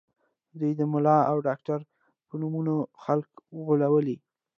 دوی د ملا او ډاکټر په نومونو خلک غولوي